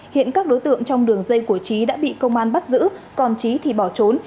hiện các đối tượng trong đường dây của trí đã bị công an bắt giữ còn trí thì bỏ trốn